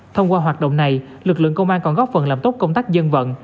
thông qua hoạt động này lực lượng công an còn góp phần làm tốt công tác dân vận